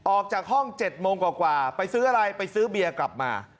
ออกจากห้อง๗โมงกว่าไปซื้ออะไรไปซื้อเบียร์กลับมา